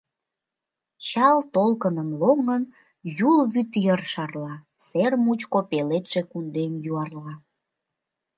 Чал толкыным лоҥын, Юл вӱд йыр шарла, Сер мучко пеледше кундем юарла.